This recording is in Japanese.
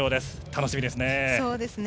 楽しみですね。